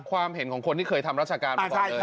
ความเห็นของคนที่เคยทำราชการ